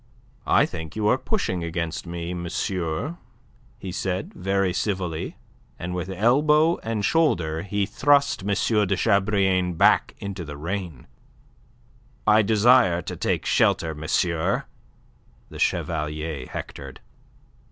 "I think you are pushing against me, monsieur," he said, very civilly, and with elbow and shoulder he thrust M. de Chabrillane back into the rain. "I desire to take shelter, monsieur," the Chevalier hectored.